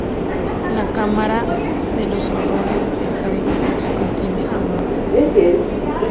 La Cámara de los Horrores de Cera de Springfield contiene a Mr.